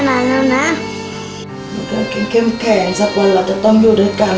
หนูกำลังเก่งสักวันราวจะต้องอยู่ด้วยกัน